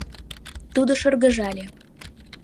— тудо шыргыжале.